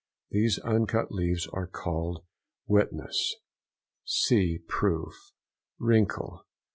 These uncut leaves are called "Witness" (see PROOF). WRINKLE.